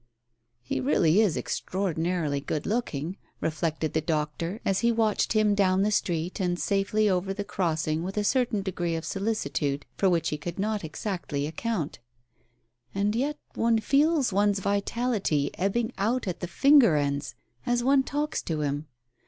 "He really is extraordinarily good looking," reflected the doctor, as he watched him down the street and safely over the crossing with a certain degree of solicitude for which he could not exactly account. "And yet one feels one's vitality ebbing out at the finger ends as one talks to him.